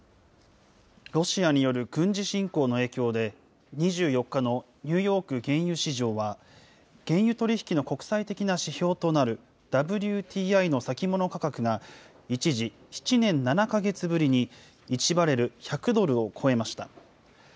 ロシアによる軍事侵攻の影響で、２４日のニューヨーク原油市場は、原油取り引きの国際的な指標となるＷＴＩの先物価格が、一時、７年７か月ぶりに１バレル１００ドルを超えました。